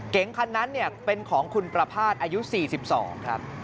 คันนั้นเป็นของคุณประภาษณ์อายุ๔๒ครับ